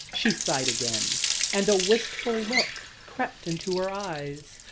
She sighed again, and a wistful look crept into her eyes.